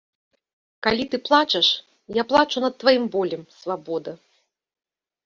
Калі ты плачаш, я плачу над тваім болем, свабода.